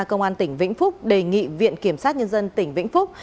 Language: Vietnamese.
công an tỉnh vĩnh phúc đề nghị viện kiểm sát nhân dân tỉnh vĩnh phúc